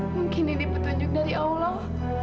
mungkin ini petunjuk dari allah